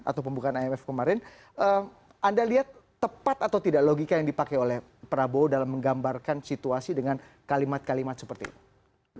atau pembukaan imf kemarin anda lihat tepat atau tidak logika yang dipakai oleh prabowo dalam menggambarkan situasi dengan kalimat kalimat seperti ini